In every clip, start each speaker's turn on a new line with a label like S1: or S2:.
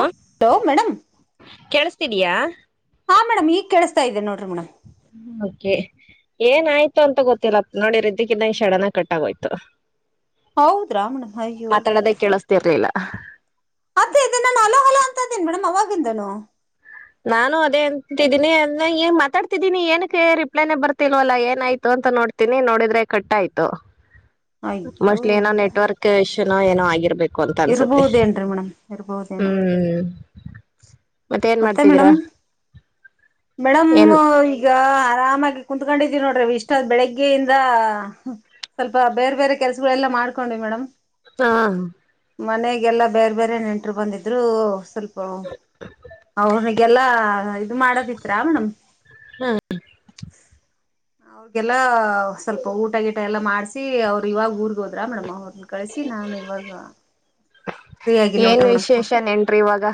S1: ಓ ಲೋ ಮೇಡಮ್
S2: ತಿದಿಯಾ
S1: ಹಾ ಮೇಡಂ ಈಗ್ ಕೇಳಿಸ್ತಾ ಇದೆ ನೋಡ್ರಿ ಮೇಡಂ.
S2: ಹ್ಮ್ ಅದ್ಕೆ ಏನಾಯ್ತು ಅಂತ ಗೊತ್ತಿಲ್ಲ ನೋಡಿರ ಇದಿದ್ದಕ್ಕಿದ್ದಂಗ್ ಶಡನ್ ಕಟ್ಟಾಗೋಯ್ತು.
S1: ಹೌದ್ರಾ ಮೇಡಮ್ ಅಯ್ಯೋ
S2: ಮಾತಾಡೋದೇ ಕೇಳಸ್ತಿರ್ಲಿಲ್ಲ. ಅಹ್
S1: ಅದೆ ಇದ ನಾನು ಹಲೋ ಹಲೋ ಅಂತ ಇದ್ದೇನಿ ಮೇಡಮ್ ಅವಾಗಿಂದಾನು.
S2: ನಾನು ಅದೇ ಅಂತಿದ್ದೀನಿ [unintelligible] ಮಾತಾಡ್ತಿದ್ದೀನಿ ಏನಕ್ಕೆ ರಿಪ್ಲೈನೆ ಬರ್ತಿಲ್ವಲ್ಲಾ ಏನಾಯ್ತು ಅಂತ ನೋಡ್ತೀನಿ ನೋಡಿದ್ರೆ ಕಟ್ ಆಯ್ತು.
S1: ಅಯ್ಯೋ
S2: ಮೋಸ್ಟ್ಲಿ ಏನ ನೆಟ್ವರ್ಕ್ ಇಶ್ಯು ತ್ತೇನೋ ಏನೋ ಆಗಿರ್ಬ್ ಬೇಕು ಅಂತ ಅನ್ಸುತ್ತೆ
S1: ಇರ್ಬೋದೇನ್ರಿ ಮೇಡಮ್ ಇರ್ಬೋದೇನೋ
S2: ಹ್ಮ್ ಮತ್ತೆ ಏನ್ ಮಾಡ್
S1: ಮೇಡಂ ಮೇಡಂ
S2: ಏನ್
S1: ಈಗ ಆರಾಮಾಗಿ ಕುೂತ್ಕೊಂಡಿದೀ ನೋಡ್ರಿ ಇಷ್ಟಾದ್ ಬೆಳಿಗ್ಗೆಯಿಂದ ಸ್ವಲ್ಪ ಬೇರೆ ಬೇರೆ ಕೆಲ್ಸಗಳೆಲ್ಲ ಮಾಡ್ಕೊಂಡ್ವಿ ಮೇಡಮ್.
S2: ಹ
S1: ಮನೆಗೆಲ್ಲಾ ಬೇರೆ ಬೇರೆ ನೆಂಟ್ರು ಬಂದಿದ್ರು ಸ್ವಲ್ಪ ಅವ್ರಿಗೆಲ್ಲಾ ಇ ಇದು ಮಾಡದಿತ್ರಾ ಮೇಡಂ ಅವ್ರಿಗೆಲ್ಲ ಸ್ವಲ್ಪ ಊಟ ಗೀಟ ಎಲ್ಲ ಮಾಡಸಿ ಅವರು ಇವಾಗ ಊರ್ಗ್ ಹೋದ್ರಾ ಮೇಡಮ್ ಅವ್ ಕಳಸಿ ನಾನು ಇವಾಗ ಫ್ರೀಯಾಗಿನ್
S2: ಏನ್
S1: ನೋಡ್ರಿ ಮೇಡಂ.
S2: ವಿಶೇಷ ನೆನ್ರಿ ಇವಾಗ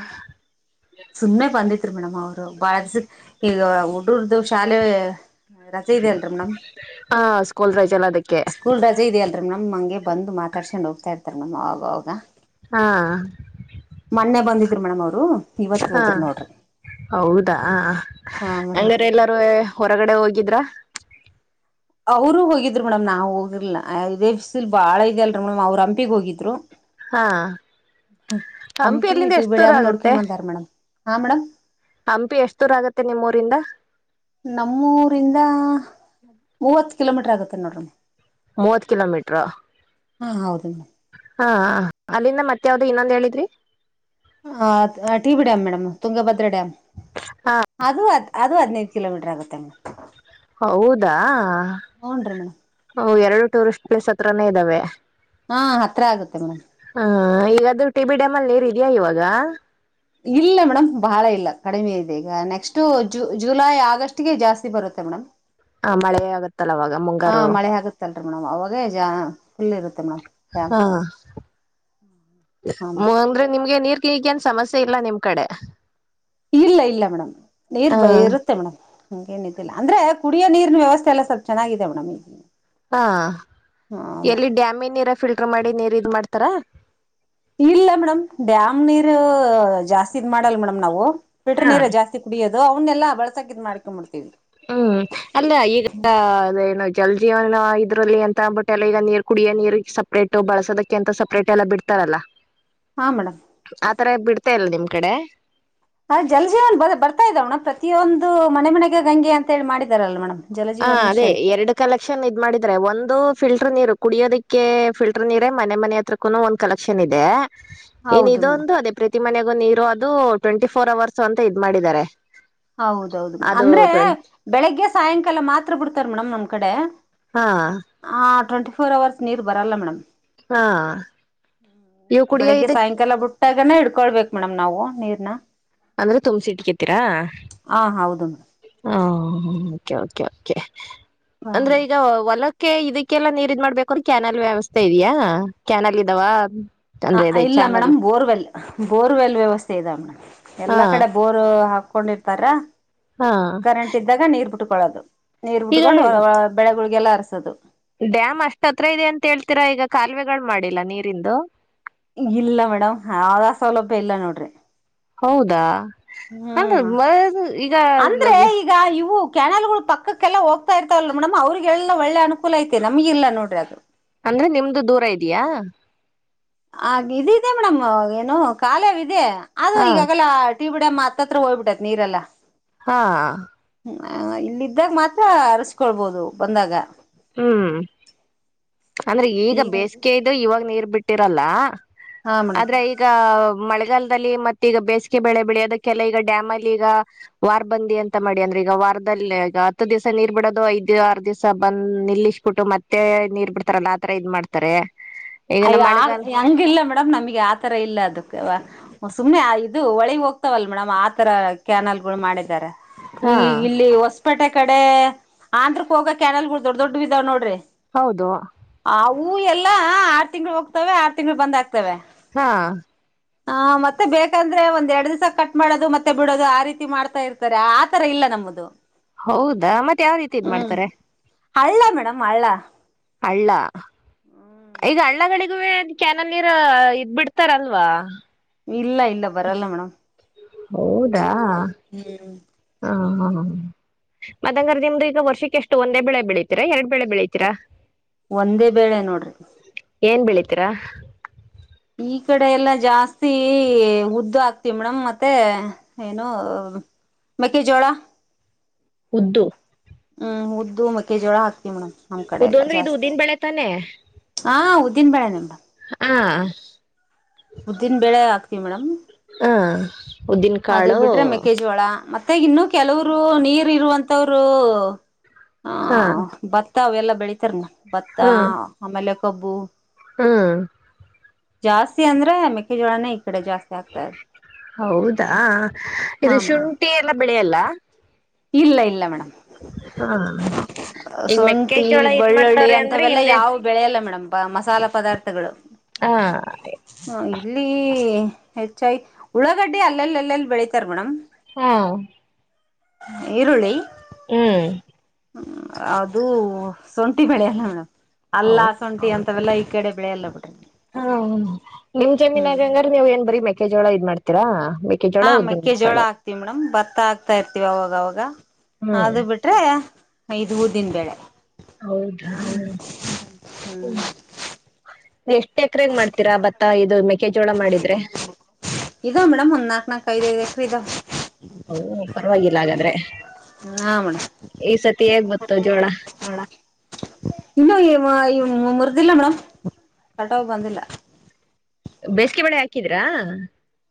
S1: ಸುಮ್ಮ್ನೆ ಬಂದಿತ್ರಿ ಮೇಡಮ್ ಅವ್ರು ಬಾಳ ದಿಸ ಈಗ ಉಡ್ಗುರ್ದು ಶಾಲೆ ರಜೆ ಇದೆಯಲ್ರಿ ಮೇಡಮ್
S2: ಹ ಸ್ಕೂಲ್ ರೈಜ್ ಎಲ್ಲ ಅದಕ್ಕೆ
S1: ಸ್ಕೂಲ್ ರಜೆ ಇದೆಯಲ್ರರಿ ಮೇಡಮ್ ಹಂಗೆ ಬಂದು ಮಾತಾಡ್ಸೊಂಡ್ ಹೋಗ್ತಾ ಇರ್ತ್ ಬರ್ತಾರ್ ಮ್ಯಾಮ್ ಅವಾಗವಾಗ
S2: ಹಾ
S1: ಮೊನ್ನೆ ಬಂದಿದ್ರು ಮೇಡಮ್ ಅವರು ಇವತ್ತು
S2: ಹ
S1: ಹೋದ್ರ್
S2: ಹೌದಾ
S1: ಹಾ ಮೇಡಮ್
S2: ಹಂಗಾರೆ ಎಲ್ಲಾರುವೆ ಹೊರಗಡೆ ಹೋಗಿದ್ರ?
S1: ಅವರು ಹೋಗಿದ್ರು ಮೇಡಮ್ ನಾವು ಹೋಗಿರ್ಲಿಲ್ [unintelligible] ಬಾಳ ಇದ್ಯಲ್ರಿ ಮೇಡಮ್ ಅವ್ರ್ ಹಂಪಿಗ್ ಹೋಗಿದ್ರು.
S2: ಹಾ ಹಂಪಿ ಅಲ್ಲಿಂದ
S1: ಟಿ
S2: ಎಷ್ಟ್
S1: ಬಿ
S2: ದೂರ
S1: ಡ್ಯಾಮ್
S2: ಆಗತ್ತೆ.
S1: ನೋಡ್ಕೊಂಡ್ ಬಂದಾರ ಮೇಡಮ್ ಹಾ ಮೇಡಮ್
S2: ಹಂಪಿ ಎಷ್ಟ್ ದೂರ ಆಗತ್ತೆ ನಿಮ್ಮೂರಿಂದ
S1: ನಮ್ಮೂರಿಂದ ಮೂವತ್ತ್ ಕಿಲೋಮೀಟರ್ ಆಗುತ್ತೆ ನೋಡ್ರಿ ಮ್
S2: ಮೂವತ್ ಕಿಲೋಮೀಟ್ರ.
S1: ಹಾ ಹೌದು ಮೇಡಂ
S2: ಹಾ ಅಲ್ಲಿಂದ ಮತ್ ಯಾವ್ದು ಇನ್ನೊಂದ್ ಹೇಳಿದ್ರಿ
S1: ಆ T B dam madam Tungabhadra dam ಅದು ಅದ್ ಅದು ಅದ್ನೇ ಕಿಲೋಮೀಟರ್ ಆಗುತ್ತೆ ಮೆ [unintelligible]
S2: ಹೌದಾ
S1: ರೀ ಮೇಡಮ್
S2: ಓ ಎರಡು ಟೂರಿಸ್ ಪ್ಲೇಸ್ ಹತ್ರಾನೇ ಇದ್ದಾವೆ.
S1: ಹಾ ಹತ್ರ ಆಗುತ್ತೆ ಮೇಡಮ್
S2: ಹಾ ಈಗದು ಟಿ ಬಿ ಡ್ಯಾಮಲ್ ನೀರ್ ಇದ್ಯಾ ಇವಾಗ್ [unintelligible]
S1: ಇಲ್ಲ ಮೇಡಮ್ ಬಾಳ ಇಲ್ಲ ಕಡಿಮೆ ಇದೆ ಈಗ ನೆಕ್ಸ್ಟ್ ಜುಲೈ ಆಗಸ್ಟ್ಗೆ ಜಾಸ್ತಿ ಬರುತ್ತೆ ಮೇಡಮ್.
S2: ಹ ಮಳೆ ಆಗತ್ತಲ್ಲ ಅವಾಗ ಮುಂಗಾರು
S1: [unintelligible] ಮೇಡಂ ಅವಾಗ ಜಾ ಫುಲ್ ಇರುತ್ತೆ ಮೇಡಮ್ ಡ್ಯಾಮ್
S2: ಹಾ
S1: ಹಾ
S2: ಮೋ
S1: ಮೇಡಮ್,
S2: ಅಂದ್ರೆ ನಿಮ್ಗೆ ನೀರ್ ಗಿಗೇನ್ ಸಮಸ್ಯೆ ಇಲ್ಲ ನಿಮ್ ಕಡೆ
S1: ಇಲ್ಲ ಇಲ್ಲ ಮೇಡಮ್ ನೀರ್
S2: ಹ
S1: ಬ ಇರುತ್ತೆ ಮೇಡಮ್ ಹಂಗೇನ್ ಇಲ್ಲ ಅಂದ್ರೆ ಕುಡಿಯ ನೀರಿನ ವ್ಯವಸ್ಥೆ ಎಲ್ಲ ಸ್ವಲ್ಪ್ ಚೆನ್ನಾಗಿದೆ ಮೇಡಮ್ ಈಗ್
S2: ಹಾ ಎಲ್ಲಿ ಡ್ಯಾಮಿನ್ ನೀರೆ ಫಿಲ್ಟರ್ ಮಾಡಿ ನೀರ್ ಇದ್ ಮಾಡ್ ತರ
S1: ಇಲ್ಲ ಮೇಡಮ್ ಡ್ಯಾಮ್ ನೀರು ಜಾಸ್ತಿ ಇದ್ ಮಾಡಲ್ ಮೇಡಮ್ ನಾವು. ಬಿಟ್ಟ
S2: ಹಾ
S1: ನೀರ ಜಾಸ್ತಿ ಕುಡಿಯೋದು ಅವ್ನೆಲ್ಲ ಬಳ್ಸಕಿದ್ ಮಾಡ್ ಕ ಮಾಡ್ತೀವಿ.
S2: ಹ್ಮ್ ಅಲ್ಲ ಈಗ ಅದೇನು ಜಲ್ ಜೀವನ ಇದ್ರಲ್ಲಿ ಅಂತ ಅ ಬಟ್ ಎಲ್ಲ ಈಗ ನೀರ್ ಕುಡಿಯೋ ನೀರಿಗ್ ಸಪ್ರೇಟ್ ಬಳಸೋದಕ್ಕೆ ಎಂತ ಸಪ್ರೇಟ್ ಎಲ್ಲಾ ಬಿಡ್ತಾರಲ್ಲ.
S1: ಹಾ ಮೇಡಮ್
S2: ಆತರ ಬಿಡ್ ತ್ತ ಇಲ್ ನಿಮ್ ಕಡೆ.
S1: ಅ ಜಲ ಜೀವನ್ ಬ ಬರ್ತಾ ಇದೆ ಮೇಡಮ್ ಪ್ರತಿಯೊಂದು ಮನೆ ಮನೆಗೆ ಗಂಗೆ ಅಂತ ಹೇಳಿ ಮಾಡಿದಾರಲ್ಲ ಮೇಡಮ್.
S2: ಹ
S1: ಜಲಜೀವನ್
S2: ಅದೇ
S1: ಮಿಷನ್
S2: ಎರಡು ಕಲೆಕ್ಷನ್ ಇದ್ ಮಾಡಿದ್ರೆ ಒಂದು ಫಿಲ್ಟರ್ ನೀರು ಕುಡಿಯೋದಕ್ಕೆ ಫಿಲ್ಟರ್ ನೀರೇ ಮನೆ ಮನೆ ಹತ್ರಕ್ಕೂ ಒಂದು ಕಲೆಕ್ಷನ್ ಇದೆ. ಇನ್
S1: ಹೌದು ಮೇಡಮ್
S2: ಇದೊಂದು ಅದೇ ಪ್ರ ಪ್ರತಿ ಮನೆಗೂ ನೀರು ಅದು ಟ್ವೆಂಟಿ ಫೋರ್ ಅವರ್ಸ್ ಅಂತ ಇದ್ ಮಾಡಿದ್ದಾರೆ.
S1: ಹೌದೌದು ಮ್
S2: ಅದು
S1: ಅಂದ್ರೆ
S2: ಟ್ವೆಂ
S1: ಬೆಳಿಗ್ಗೆ ಸಾಯಂಕಾಲ ಮಾತ್ ತ್ರ ಬಿಡ್ತಾರ್ ಮೇಡಮ್ ನಮ್ ಕಡೆ.
S2: ಹಾ
S1: ಟ್ವೆಂಟಿಫೋರ್ ಅವರ್ಸ್ ನೀರ್ ಬರಲ್ಲ ಮೇಡಮ್.
S2: ಹಾ ಇವು ಕುಡಿಯೋ ಇದ್
S1: ತಗನ ಇಡ್ಕೊಳ್ಬೇಕ್ ಮೇಡಮ್ ನಾವು ನೀರ್ನ.
S2: ಅಂದ್ರೆ ತುಂಬ್ಸಿಟ್ಕ್ಯ ತೀರಾ?
S1: ಹಾ ಹೌದು ಮೇಡಮ್
S2: ಹಾ ಒ ಓಕೆ ಓಕೆ ಓಕೆ.
S1: ಹಾ
S2: ಅಂದ್ರೆ
S1: ಮೇಡಮ್
S2: ಈಗ ಒ ಹೊಲ ಕ್ಕೆ ಇದಕ್ಕೆಲ್ಲಾ ನೀರು ಇದ್ ಮಾಡ್ಬೇಕ್ ಅನ್ ಕ್ಯಾನಲ್ ವ್ಯವಸ್ಥೆ ಇದ್ಯಾ ಕ್ಯಾನಲ್ ಇದಾವ?
S1: ಹ
S2: ಅಂದ್ರೆ ಅದೇ
S1: ಇಲ್ಲ
S2: ಚಾನಲ್
S1: ಮೇಡಮ್ ಬೋರ್ವೆಲ್ ಬೋರ್ವೆಲ್ ವ್ಯವಸ್ಥೆ ಇದಾವ್ ಮೇಡಮ್
S2: ಹಾ
S1: ಎಲ್ಲಾ ಕಡೆ ಬೋರ್ ಹಾಕ ಕೊಂಡಿರ್ತಾರ
S2: ಹಾ
S1: ಕರೆಂಟ್ ಇದ್ದಾಗ ನೀರ್ ಬಿಟ್ ಕೊಳದು ನೀರ್
S2: ಈಗ
S1: ಬಿಟ್ಕೊಂಡು ವ ವ ಬೆಳಗ್ ಗುಳ್ಗೆಲ್ಲ ಅರ್ಸೋದು.
S2: ಡ್ಯಾಮ್ ಅಷ್ಟ ಹತ್ರ ಇದೆ ಅಂತ ಹೇಳ್ತೀರಾ ಈಗ ಕಾಲುವೆಗಳು ಮಾಡಿಲ್ಲ ನೀರಿಂದು.
S1: ಇಲ್ಲ ಮೇಡಮ್ ಹಾವ ಸೌಲಭ್ಯ ಇಲ್ಲ ನೋಡ್ರಿ.
S2: ಹೌದಾ
S1: ಹ್ಮ್
S2: ಅಲ್ಲ ಈಗ
S1: ಅಂದ್ರೆ ಈಗ ಇವು ಕ್ಯಾನಲ್ ಗಳು ಪಕ್ಕಕ್ಕೆಲ್ಲ ಹೋಗ್ತಾ ಇರ್ತವಲ್ ಮೇಡಮ್ ಅವ್ರಿಗೆ ಎಲ್ಲ ಒಳ್ಳೆ ಅನುಕೂಲ ಐತೆ ನಮಗ ಇಲ್ಲ ನೋಡ್ರಿ ಅದು.
S2: ಅಂದ್ರೆ ನಿಮ್ದು ದೂರ ಇದಿಯಾ?
S1: ಹಾಗ ಇದಿದೆ ಮೇಡಮ್ ಏನು ಕಾಲವ್ ಇದೆ. ಅದು
S2: ಹಾ
S1: ಈಗಾಗಲ ತ್ತಿ ಬಿಡಮ್ಮ ಹತ್ತತ್ರ ಹೊಯ್ಬಿಟೈತ್ ನೀರೆಲ್ಲ.
S2: ಹಾ
S1: ಇಲ್ಲಿದ್ದಾಗ ಮಾತ್ರ ಅರಸ್ಕೊಳ್ಬೋದು ಬಂದಾಗ.
S2: ಹ್ಮ್ ಅಂದ್ರೆ ಈಗ ಬೇಸಿಗೆದು ಇವಾಗ ನೀರ್ ಬಿಟ್ಟಿರಲ್ಲ.
S1: ಹಾ ಮೇಡಮ್
S2: ಆದ್ರೆ ಈಗ ಮಳೆ ಮಳೆಗಾಲದಲ್ಲಿ ಮತ್ತ ಈಗ ಬೇಸಿಗೆ ಬೆಳೆ ಬೆಳೆಯೋದಕ್ಕೆಲ್ಲ ಈಗ ಡ್ಯಾಮಲ್ಲಿ ಈಗ ವಾರ್ ಬಂದಿ ಅಂತ ಮಾಡಿ ಅಂದ್ರೆ ಈಗ ವಾರದಲ್ಲಿ ಈಗ ಹತ್ತು ದಿವಸ ನೀರ್ ಬಿಡೋದು ಐದ್ ಆರು ದಿವ್ಸ ಬನ್ ನಿಲ್ಲಿಸ್ ಬಿಟ್ಟು ಮತ್ತೆ ನೀರ್ ಬಿಡ್ತಾರಲ್ಲ ಆತರ ಇದ್ ಮಾಡ್ತಾರೆ. ಈಗ ನಮ್ಮ
S1: ಐದಾರ್
S2: ಮಳೆಗಾಲ
S1: ಹಂಗಿಲ್ಲ ಮೇಡಮ್ ನಮ್ಗೆ ಆತರ ಇಲ್ಲ ಅದಕ್ಕೆ ವ ಹೊಸ್ ಸುಮ್ನೆ ಆ ಇದು ಹೋಳಿಗ್ ಹೋಗ್ತವಲ್ಲ ಮೇಡಮ್ ಆತರ ಕ್ಯಾನಲ್ ಗಳು ಮಾಡಿದ್ದಾರೆ. ಈ
S2: ಹಾ
S1: ಇಲ್ಲಿ ವಸ್ ಪೇಟೆ ಕಡೆ ಆಂಧ್ರ ಕೋಗಾ ಕ್ಯಾನಲ್ ಗಳ್ ದೊಡ್ಡ ದೊಡ್ಡುವ್ ಇದಾವ್ ನೋಡ್ರಿ.
S2: ಹೌದು
S1: ಹೂ ಎಲ್ಲಾ ಆರ್ ತಿಂಗಳು ಹೋಗ್ತವೆ ಆರು ತಿಂಗಳು ಬಂದ್ ಆಗ್ತವೆ.
S2: ಹಾ
S1: ಹ ಮತ್ತೆ ಬೇಕಂದ್ರೆ ಒಂದ್ ಎರಡ್ ದಿವ್ಸ ಕಟ್ ಮಾಡೋದು ಮತ್ತೆ ಬಿಡೋದು ಆ ರೀತಿ ಮಾಡ್ತಾ ಇರ್ತಾರೆ ಆತರ ಇಲ್ಲ ನಮ್ಮದು.
S2: ಹೌದಾ ಮತ್ ಯಾವ್ ರೀತಿ ಇದ್
S1: ಹ್ಮ್
S2: ಮಾಡ್ತಾರೆ.
S1: ಹಳ್ಳ ಮೇಡಮ್ ಹಳ್ಳ
S2: ಹಳ್ಳ ಈಗ್ ಹಳ್ಳಗಳಿಗುವೇ ಕ್ಯಾನಲ್ ನೀರು ಇದ್ ಬಿಡ್ತಾರಲ್ವ.
S1: ಇಲ್ಲ ಇಲ್ಲ ಬರಲ್ಲ ಮೇಡಮ್
S2: ಹೌದಾ
S1: ಹ್ಮ್
S2: ಹಾ ಹ ಮದಂಗಾರ್ ನಿಮ್ದು ಈಗ ವರ್ಷಕ್ಕೆಷ್ಟು ಒಂದೇ ಬೆಳೆ ಬೆಳಿತೀರಾ ಎರಡ್ ಬೆಳೆ ಬೆಳಿತೀರಾ?
S1: ಒಂದೇ ಬೇಳೆ ನೋಡ್ರಿ.
S2: ತೀರಾ?
S1: ಈ ಕಡೆ ಎಲ್ಲಾ ಜಾಸ್ತಿ ಉದ್ದು ಹಾಕ್ತಿವಿ ಮೇಡಮ್ ಮತ್ತೆ ಏನು ಮೆಕ್ಕೆಜೋಳ
S2: ಉದ್ದು
S1: ಹ್ಮ್ ಉದ್ದು ಮಕ್ಕೆ ಜೋಳ ಹಾಕ್ ತಿವಿ ಮೇಡಮ್ ನಮ್ ಕಡೆ
S2: ಉದ್ದು
S1: ಎಲ್ಲ
S2: ಅಂದ್ರೆ ಇದು
S1: ಜಾಸ್ತಿ
S2: ಉದ್ದಿನ ಬೆಳೆ ತಾನೆ
S1: ಹಾ ಉದ್ದಿನ್ ಬೇಳೆ ನೆ ಮೆಡಮ್.
S2: [inaudible]
S1: ಉದ್ದಿನ್ ಬೇಳೆ ಹಾಕ್ತಿವಿ ಮೇಡಮ್.
S2: ಆ ಉದ್ದಿನ
S1: ಅದು
S2: ಕಾಳು
S1: ಬಿಟ್ರೆ ಮೆಕ್ಕೆ ಜೋಳ ಮತ್ ತ್ತೆ ಇನ್ನು ಕೆಲವರು ನೀರ್ ಇರುವಂತವ್ರು ಹಾ ಬತ್ ತ್ತ ಎವೆಲ್ಲ ಬೆಳೀತಾರ್ ಮೇಡಂ. ಭತ್ತ ಆಮೇಲೆ ಕಬ್ಬು
S2: ಹ್ಮ
S1: ಜಾಸ್ತಿ ಅಂದ್ರೆ ಮೆಕ್ಕೆಜೋಳನೆ ಇ ಕಡೆ ಜಾಸ್ತಿ ಆಗ್ತಾ
S2: ಹ ಹ
S1: ಹಾ
S2: ಇದು
S1: ಮೇಡಮ್
S2: ಶುಂಠಿ ಎಲ್ಲ ಬೆಳೆಯಲ್ಲ
S1: ಇಲ್ಲ ಇಲ್ಲ ಮೇಡಮ್
S2: ಹಾ ಈಗ
S1: ಶುಂಠಿ
S2: ಮೆಕ್ಕೆಜೋಳ ಇದ್
S1: ಬೆಳ್ಳುಳ್ಳಿ
S2: ಮಾಡ್ತಾವ್ರೆ ಅಂದ್ರೆ
S1: ಅಂತವೆಲ್ಲ
S2: ಹಿಂದೆ
S1: ಯಾವ ಬೆಳೆೆಯಲ್ಲ ಮೇಡಮ್ ಪ ಮಸಾಲ ಪದಾರ್ಥಗಳು
S2: ಹಾ
S1: ಅಲ್ಲಿ ಹೆಚ್ಚಾಗಿ ಉಳ್ಳಾಗಡ್ಡೆ ಅಲ್ಲೆಲ್ಲಿ ಅಲ್ಲೆಲ್ಲಿ ಬೆಳತಾರೆ ಮೇಡಮ್
S2: ಹಾ
S1: ಈರುಳ್ಳಿ
S2: ಹ್ಮ್
S1: ಹ್ಮ ಅದು ಸೊಂಟಿ ಬೆಳೆ ಅಲ್ಲ ಸೊಂಠಿ ಅಂ ಅವೆಲ್ಲ ಈ ಕಡೆ ಬೆಳೆಯಲ್ಲ ಬ
S2: ಹಾ ನಿಮ್ ಜಮೀನ್
S1: ಹ್ಮ್
S2: ಆಗಂಗ್ರ ನೀವ್ ಏನ್ ಬರಿಬೇಕ ಕೆ ಜೋಳ ಇದ್ ಮಾಡ್ತೀರಾ ಮೆಕ್ಕೆಜೋಳ
S1: ಹಾ ಮೆಕ್ಕೆ
S2: ಉದ್ದಿನ
S1: ಜೋಳ
S2: ಕಾಳು
S1: ಹಾಕ್ತಿವಿ ಮೇಡಮ್ ಭತ್ತ ಆಕ್ತಾ ಇರ್ತಿವ ಅವಾಗ ಅವಾಗ
S2: ಹ್ಮ್
S1: ಅದು ಬಿಟ್ರೆ ಐದು್ ಊ ದನ್ಬೇಳೆ
S2: ಹೌದಾ ಎಷ್ಟ್ ಎಕರೆಗ್ ಮಾಡ್ತೀರಾ ಬತ್ತ ಆದು
S1: ಇದಾ ಮೇಡಮ್ ಒಂದ್ ನಾಕ್ ನಾಕ ಐದು ಇದೆ ಹಪ್ಪದ
S2: ಪರವಾಗಿಲ್ಲ ಹಾಗಾದ್ರೆ
S1: ಹಾ ಮೇಡಮ್
S2: ಈ ಸತಿ ಹೇಗ್ ಗತ್ತು ಜೋಳ
S1: ಿಲ್ಲ ಮೇಡಮ್ ಕಟ ಬಂದಿಲ್ಲ
S2: ಬೇಸಿಗೆ ಬಳೆ ಹಾಕಿದ್ರಾ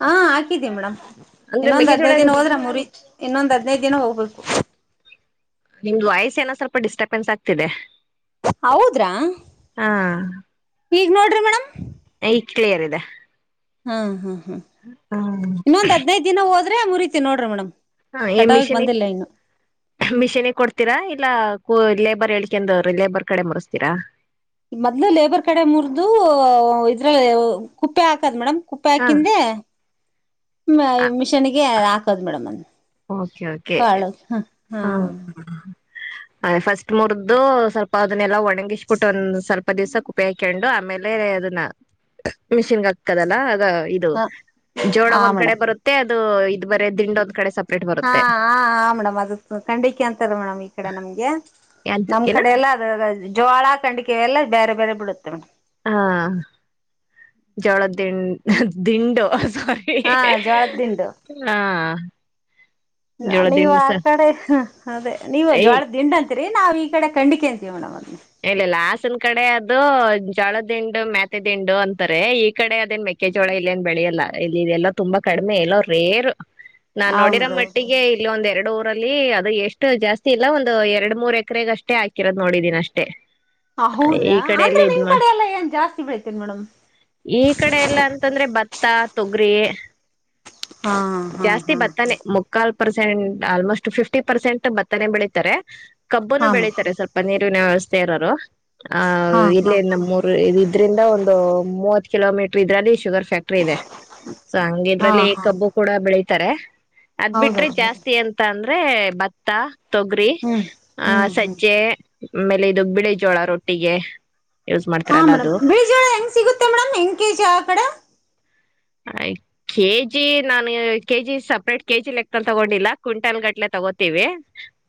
S1: ಹಾ ಹಾಕಿದ್ದಿ ಮೇಡಮ್
S2: ಅಂದ್ರೆ
S1: ಇನ್ನೊಂದ್
S2: ಮೆಕ್ಕೆಜೋಳ
S1: ಹದ್ೈದದು ದಿನ ಹೋದ್ರೆ ಮುರಿ ಇನ್ನೊಂದ್ ಹದ್ನೈದು ದಿನ ಹೋಗ್ಬೇಕು
S2: ನಿಮ್ದ್ ವಯಸ್ಸ ಏನೋ ಸ್ವಲ್ಪ ಡಿಸ್ಟರ್ಬೆನ್ಸ್ ಆಗ್ತಿದೆ
S1: ಹೌದ್ರಾ
S2: ಹಾ
S1: ಈಗ್ ನೋಡ್ರಿ ಮೇಡಮ
S2: ಈಗ ಕ್ಲಿಯರ್ ಇದೆ
S1: ಹಾ ಹಾ ಹ್ಮ ಇನ್ನೊಂದ್ ಹದ್ಿನೈದು ದಿನ ಹೋಗ ಅ್ರೆ ಮುರಿತಿ ನೋಡ್ರ ಮೇಮ್
S2: ಹಾ ಮಿಷನ್ಿ ಮಿಷೀನ್ಿಗೆ ಕೊಡ್ತೀರಾ ಇಲ್ಲ ಹ ಲೇಬರ್ ಹೇಳಳ್ಿಕೆಂದ್ರಿ ಲೇಬರ್ ಕಡೆ ಮರೆಸ್ತೀರಾ
S1: ಮೊದ್ಲು ಲೇಬರ್ ಕಡೆ ಮುರಿದು ಇದ್ರಲ್ಲಿ ಕುಪ್ಪೆ ಹಾಕದ ಮೇಡಮ್
S2: ಹಾ
S1: ಕುಪ್ಪಾಯಕಿಂದ ಮಿಷನ್ಿಗೆ ಹಾಕದ್ ಮೇಡಮ್ ಅನ್
S2: ಕೆ ಕೆ ಹ
S1: ಹಾ
S2: ಅದ ಫಸ್ಟ್ ಮುರ್್ದು ಸ್ವಲ್ಪ ಅದನ್ನೆಲ್ಲ ಒ ನಂಗೆ ಇಷ್ಟುಟ್ಟ ಒಂದು ಸ್ಲ್ಪ ಪ್ಪ ದಿವ್ಸ ಕುಪ್ಪಿ ಹಾಕೊಂಡು ಆಮೇಲೆ ಅದನ್ನ ಮಿಷಿನ್ಗೆ ಹಾತದಲ್ಲ ಇದು
S1: ಹ
S2: ಜೋಳ
S1: ಆ
S2: ಒಂದ್ ಕಡೆ
S1: ಮೇಡಮ್
S2: ಬರುತ್ತೆ ಇ ಇದ್ ಬರ ದಂಡೋದ್ ಕಡೆ ಸಪ್ರೇಟ್
S1: ಹಾ
S2: ಬರುತ್ತೆ
S1: ಹ ಹ ಮೇಡಮ್ ಅದ ಖಂಡಕ್ಕೆ ಅಂತದ ಮೇಡಮ್ ಈ ಕಡೆ ನಮ್ಗೆ
S2: ಅದ್
S1: ನಮ್
S2: ಏನ
S1: ಕಡೆ ಎಲ್ಲ ಅದ ಜೋಳ ಖಂಡಿಕೆ ಎಲ್ಲ ಬೇರೆ ಬೇರೆ ಬಿಡುತ್ತೆೇಮ್
S2: ಹಾ ಜೋಳ ದಿಂಡ ದಿಂಡು ಸಾರಿ
S1: ಹಾ ಜೋಳದ್ದಂಡು
S2: ಹಾ
S1: ನ
S2: ಜೋಳದ
S1: ನೀವು
S2: ದಿಂಡು
S1: ಆ
S2: ಸ
S1: ಕಡೆ ಅದೇ ನೀವು
S2: ಏ
S1: ಜ್ವಳ ದಿಂಡಂತ ೆ ನಾವವು ಈ ಕಡೆ ಖಂಡಿಕೆ ಅಂತೋಣಂತ
S2: ಎನು ಇಲ್ಲಾ ನ್ ಕಡೆ ಅದು ಜೋಳದಿಂಡು ಮ್ಯಾತೆ ದಿಂಡು ಅಂತಾರೆ ಈ ಕಡೆ ಅದೇನ್ ಮೆಕ್ಕೆಜೋಳ ಇಲ್ಲೇಏನ್ ಬೆಳೆಯಲ್ಲ ಇಲ್ಲಿ ಇದೆಲ್ಲ ತುಂಬಾ ಕಡಿಮೆ ಎಲ್ಲ ರೇರ್ ನಾನ್ ನೋಡಿರೋ
S1: ಹೌದೌದು
S2: ಮಟ್ಟಿಗೆ ಇಲ್ಲಿ ಒಂದ್ ಎರಡುರು ಅದು ಎಷ್ಟು ಜಾಸ್ತಿ ಇಲ್ಲ ಒಂದು ಎರಡು ಮೂರ್ ಎಕರೆಗೆ ಅಷ್ಟೇ ಹಾಕಿರೋದು ನೋಡಿದ್ದೀನಿ ಅಷ್ಟೇ ಟಿ ಈ
S1: ಹೌದ್ರಾ
S2: ಕಡೆಯಲ್ಲ
S1: ಅಂದ್ರೆ
S2: ಇದ
S1: ನಿಮ್
S2: ಮಾಡ
S1: ಕಡೆ ಎಲ್ಲ ಏನ್ ಜಾಸ್ತಿ ಬೆಳಿತೀರಿ ಮೇಡಮ್
S2: ಈ ಕಡೆ ಎಲ್ಲ ಅಂತಂದ್ರೆ ಭತ್ತ ತೊಗ್ರಿಯೇ
S1: ಹಾ ಹಾ
S2: ಜಾಸ್ತಿ
S1: ಹಾ
S2: ಬತ್ತನೆೆ ಮುಕ್ಕಾಲ್ ಪರ್ಸೆಂಟ್ ಆಲ್ಮೋಸ್ಟ್ ಫಿಫ್ಟಿ ಪರ್ಸೆಂಟ್ ಬತ್ತನೆೆ ಬೆಳಿತಾರೆ ಕಬ್ಬನು
S1: ಹಾ
S2: ಬೆಳೀತಾರೆ ಸ್ವಲ್ಪ ನೀ ನ ವ್ಯವಸ್ಥೆ ಇರರು ಆ
S1: ಹಾ ಹಾ
S2: ಇಲ್ಲಿ ನಮ್ಮ ಮೂರು ಇದ್ರಿಂದ ಒಂದು ಮೂವತ್ ಕಲೋಮೀಟರ್ ಇದರಲ್ಲಿ ಶುಗರ್ ಫ್ಯಾಕ್ಟ್ರಿ ಇದೆ ಸೊ ಹಂಗ
S1: ಹಾ ಹಾ
S2: ಇದ್ರಲ್ಲಿ
S1: ಹಾ
S2: ಕಬ್ಬು ವೈತರೆ ಅದ್ ಬಿಟ್ರಿ
S1: ಹೌದಲ್ರಿ
S2: ಜಾಸ್ತಿ ಅಂತ ಅಂದ್ರ ಅೆ ಭತ್ತ ತೊಗರಿಿ
S1: ಹ್ಮ್
S2: ಆ
S1: ಹ್ಮ್ ಹ್ಮ್
S2: ಸಜ್ಜೆ ಆಮೇಲೆ ಇದು ಬಿಳಿ ಜೋಳ ರೊಟ್ಟಿಗೆ ಯೂಸ್
S1: ಹಾ
S2: ಮಾಡ್ತಾರಲ್ಲ
S1: ಮೇಡಮ್
S2: ಅದು
S1: ಬಜ ಹೆಂಗ್ ಸಿಗುತ್ತೆ ಮೇಡಮ್ ಹೆಂಗ ಕೆಜಿ ಆ ಕಡೆ
S2: ಕೆಜಿ ನಾನು ಕೆಜಿ ಸಪ್ರೇಟ್ ಕೆಜಿ ಲೆಕ್ನ್ ತಗೊಂಡಿಲ್ಲ ಕು್ವಿಂಟನ್ ಗಟ್ಲೆ ತಗೋತೀವಿ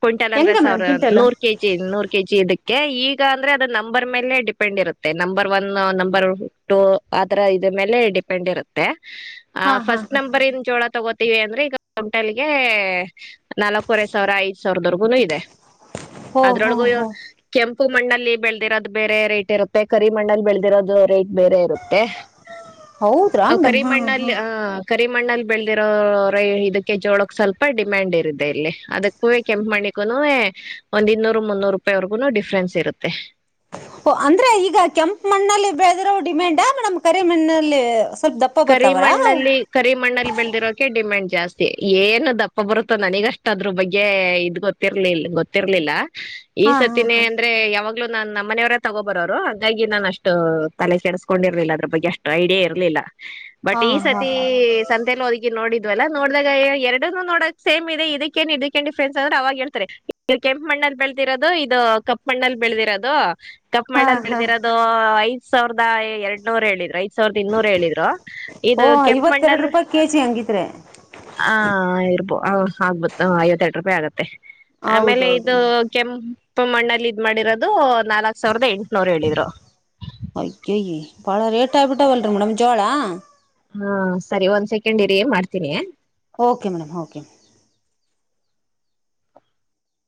S2: ಕ್ವಿಂಟಲ್ ಅಂದ್ರೆ
S1: ಹೆಂಗ ಮೇಡಮ್
S2: ಸಾವಿರ
S1: ಕ್ವಿಂಟಲ್
S2: ನೂ ಕೆ ಜಿ ನೂರ್ ಕೆ ಜಿ ಇದಕ್ಕೆ ಈಗ ಅಂದ್ರೆ ಅದು ನಂಬರ್ ಮೇಲೆ ಡಿಪೆಂಡ್ ಇರುತ್ತೆ ನಂಬರ್ ಒನ್ ನಂಬರ್ ಟೂ ಆ ತರ ಇದ ಮೇಲೆ ಡಿಪೆಂಡ್ ಇರುತ್ತೆ ತ್ತ ಆ
S1: ಹಾ ಹಾ
S2: ಫಸ್ಟ್
S1: ಹಾ
S2: ನಂಬರ್ ಇನ್ ಜೋಳ ತಗೋ ವಿ ಅಂದ್ರೆ ಈಗ ಕಂಟೆಲ್ಗೆ ನಾಲ್ಕೂವರೆ ಸಾವಿರ ಐ್ ಸಾವಿರದವರ್ಗುನು ಇದೆ
S1: ಹೋ ಹೋ
S2: ಅದ್ರೊಳಗೂ
S1: ಹೋ
S2: ಕೆಂಪ ಉಪ್ಪು ಮಣ್ಣಲ್ಲಿ ಬೆಳೆದಿರೋದು ಬೇರೆ ರೇಟ್ ಇರುತ್ತೆ ಕರಿ ಮಣ್ಣಲ್ಲಿ ಬೆಳೆಿರೋದು ರೇಟ್ ಬೇರೆ ಇರುತ್ತೆ
S1: ಹೌದ್ರಾ ಮೇಡಮ್ ಹಾ ಹಾ
S2: ಕರಿಮಣ್ಣಲ್ಲಿರಿ ಕರಿಮಣ್ಣಲ್ಲಿ ಬೆಳೆದಿರೋ ಇದಕ್ಕೆ ಜೋಳಕ್ ಸ್ವಲ್ಪ ಡಿಮ್ಯಾಂಡ್ ಇದೆ ಇಲ್ಲಿ ಅದಕ್ಕೂ ಕೆಂಪ ಮಣ್ಣಿಗು ಒಂದ್ ಇನ್ನೂರು ಮುನ್ನೂರು ರೂಪಾಯಿವರ್ಗು ಡಿಫ್ರೆನ್ಸ್ ಇರುತ್ತೆ
S1: ಓ ಅಂದ್ರೆ ಈಗ ಕೆಂಪ ಮಣ್ಣಲ್ಲಿ ಬೆಳೆದ್ರ ಡಿಮ್ಯಾಂಡ್ಾ ಮೇಡಮ್ ಕರಿ ಮಣ್ಣಲ್ಲಿ ಸ್ವಲ್ಪ ದಪ್ಪ ಬರ್ತಾವರಾ ಅವು
S2: ಕರಿಮಣ್ಣಲ್ಲಿ ಕರಿಮಣ್ಣಲ್ಲಿ ಬೆಳೆದಿರೋಕೆ ಡಿಮ್ಯಾಂಡ್ ಜಾಸ್ತಿ ಏನು ದಪ್ಪ ಬರುತ್ತೋ ನನಗಷ್ಟ ಅದ್ರ ಬಗ್ಗೆ ಇದ್ ಗೊತ್ತಿರ್ಲಿಲ್ಲ ಗೊತ್ತಿರ್ಲಿಲ್ಲ ಈ
S1: ಹಾ ಹಾ
S2: ಸತ್ತಿನೇ
S1: ಹಾ
S2: ಅಂದ್ರೆ ಯಾವಾಗ ಇ ನಮ್ಮನೆಯವರೇ ತಗೋ ಬರೋರು ಹಾಗಂಗಾಗಿ ನಾನು ಅಷ್ಟು ತಲೆ ಸೇಸ್ಕೊಂಡಿರ್ಲಿಲ್ಲ ಅದ್ರ ಬಗ್ಗೆಷ್ಟ ಐಡಿಯಾ ಇರ್ಲಿಲ್ಲ ಬಟ್ ಈ
S1: ಹಾ ಹಾ
S2: ಸತಿ ಸಂತೆನ ಒದಗಿ ನೋಡಿದ್ದ ಇದುಲ್ಲ ನೋಡ್ದಾಗ ಎರಡ ನೋಡಕ್ ಸೇಮ್ ಇದೆ ಇದಕ್ಕ ಏನ್ ಇದಕ್ಕ ಏನ್ ಡಿಫ್ರೆನ್ಟ್ಸ್ ಆದ್ರೆ ಅವಾಗ ಹೇಳ್ತಾರೆ ಇ ಕೆಂಪು ಮಣ್ಣಲ್ಲಿ ಬೆಳದಿರೋದು ಇದು ಕಪ್ ಮಣ್ಣಲ್ಲಿ ಬೆಳೆದಿರೋದು ತಪ್ಪ
S1: ಹಾ ಹಾ
S2: ಮಣ್ಣಲ್
S1: ಹಾ
S2: ಬೆಳದಿರ ಅದು ಐ ಸಾವಿರದ ಎರಡ್ ನೂರ ಹೇಳಿದ್ರ ಸಾವಿದ ಇನ್ನೂರು ಹೇಳರು
S1: ಓಹ ಇವತ್ತೆರಡು ರೂಪಾಯಿ ಕೆಜಿ ಹಂಗತ್ತು ತತ್ರೇ
S2: ಆ ರೂಪಿ ಆಗುತ್ತೆ ಆಮೇಲೆ ಇದು
S1: ಹೌದೌದ್ರೀ
S2: ಕೆಂ ಇಪ್ಪ ಮಣ್ಣಲ್ಲಿ ಇದ್ ಮಾಡಿರೋದು ನಾಲ್ಕಕ್ ಸಾವಿರದ ಎಂಟು
S1: ಹಕ್ಕಿ ಪಳ ರೇಟ್ ಆಗ್ಬಿಟ್ಟಾ ಒಳ್ಳರ ಮೇಡಮ ಜೋಳಾ
S2: ಹಾ ಸರಿ ಒಂದ್ ಸೆಕೆಂಡ್ ಇರಿ ಮಾಡ್ತೀನಿ
S1: ಓಕೆ ಮೇಡಮ್ ಓಕೆ